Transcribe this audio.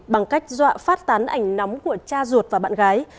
bằng cách dọa phát tán ảnh nóng của cha ruột và bạn gái